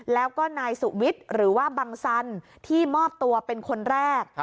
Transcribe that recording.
แล้วก็นายสุวิทย์หรือว่าบังสันที่มอบตัวเป็นคนแรก